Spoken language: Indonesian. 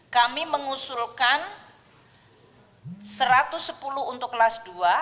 kami mengusulkan satu ratus sepuluh untuk kelas dua